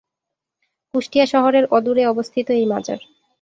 কুষ্টিয়া শহরের অদূরে অবস্থিত এই মাজার।